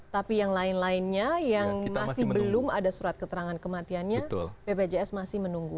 tapi yang lain lainnya yang masih belum ada surat keterangan kematiannya bpjs masih menunggu